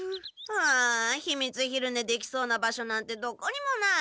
ああ秘密昼寝できそうな場所なんてどこにもない。